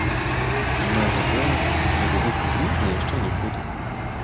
З майго плэеру гэты дыск знікне яшчэ не хутка.